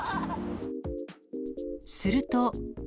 すると。